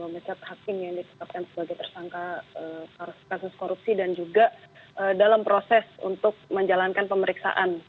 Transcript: mecat hakim yang ditetapkan sebagai tersangka kasus korupsi dan juga dalam proses untuk menjalankan pemeriksaan